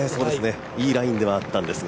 いいラインではあったんですが。